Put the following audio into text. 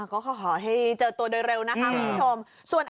ก็ขอให้เจอตัวโดยเร็วนะคะคุณผู้ชม